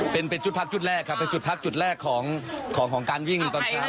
เป็นจุดพักจุดแรกครับเป็นจุดพักจุดแรกของการวิ่งตอนเช้า